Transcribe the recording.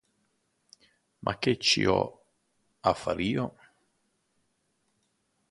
Ma che ci ho a far io?